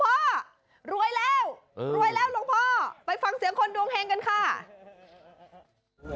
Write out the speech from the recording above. รวยแล้วรวยแล้วหลวงพ่อไปฟังเสียงคนดวงเฮงกันค่ะ